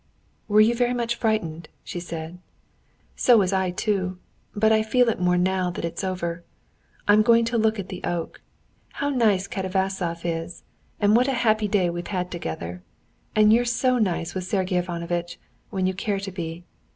"Were you very much frightened?" she said. "So was I too, but I feel it more now that it's over. I'm going to look at the oak. How nice Katavasov is! And what a happy day we've had altogether. And you're so nice with Sergey Ivanovitch, when you care to be....